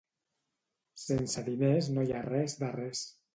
Sense diners no hi ha res de res.